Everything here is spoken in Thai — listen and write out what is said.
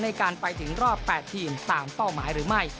ในการไปถึงรอบ๘ทีมตามเป้าหมายหรือไม่